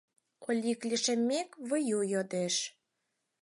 — Олик лишеммек, Выю йодеш.